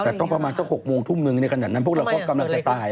แต่ต้องประมาณสัก๖โมงทุ่มหนึ่งในขณะนั้นพวกเราก็กำลังจะตาย